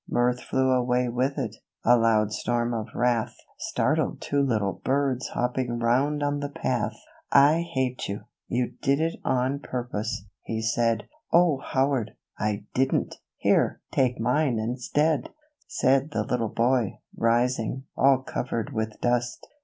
Mirth flew away with it, — a loud storm of wrath Startled two little birds hopping round on the path. " I hate you ! you did it on purpose !" he said. "O, Howard! I didn't! Here, take mine instead," Said the little boy, rising, all covered with dust.